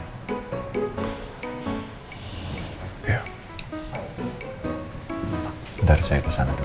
bentar saya kesana dulu